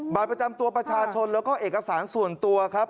ประจำตัวประชาชนแล้วก็เอกสารส่วนตัวครับ